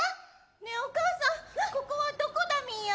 ねえお母さんここはどこだミーア？